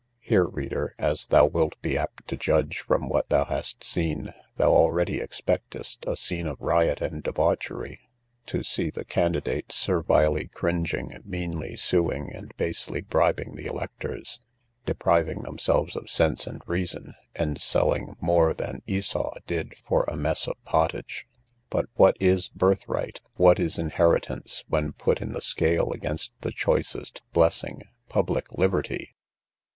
Here, reader, as thou wilt be apt to judge from what thou hast seen, thou already expectest a scene of riot and debauchery; to see the candidates servilely cringing, meanly suing, and basely bribing the electors, depriving themselves of sense and reason, and selling more than Esau did for a mess of pottage; for, what is birthright, what is inheritance, when put in the scale against that choicest blessing, public liberty!